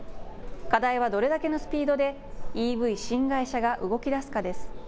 課題はどれだけのスピードでＥＶ新会社が動きだすかです。